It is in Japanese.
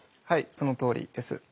はいそのとおりです。